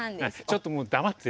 ちょっともう黙ってて。